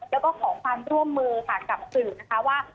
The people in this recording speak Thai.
แล้วก็ขอความร่วมมือค่ะกับสื่อนะคะว่า